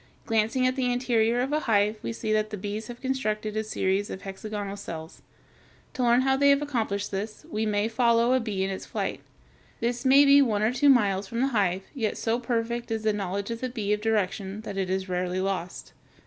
Glancing at the interior of a hive we see that the bees have constructed a series of hexagonal cells. To learn how they have accomplished this, we may follow a bee in its flight. This may be one or two miles from the hive, yet so perfect is the knowledge of the bee of direction, that it is rarely lost.